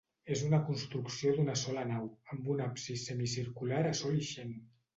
És una construcció d'una sola nau, amb un absis semicircular a sol ixent.